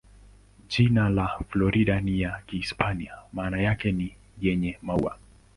Jina la Florida ni ya Kihispania, maana yake ni "yenye maua".